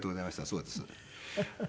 そうです。